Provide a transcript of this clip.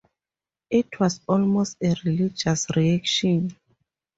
It was almost a religious reaction.